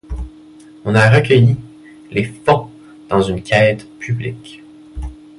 On a recueilli les fonds dans une quête publique.